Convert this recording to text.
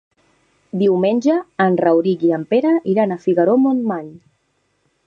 Diumenge en Rauric i en Pere iran a Figaró-Montmany.